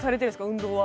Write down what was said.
運動は。